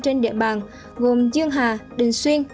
trên địa bàn gồm dương hà đình xuyên